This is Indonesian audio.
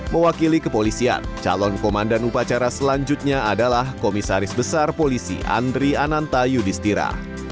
mewakili kepolisian calon komandan upacara selanjutnya adalah komisaris besar polisi andri ananta yudhistira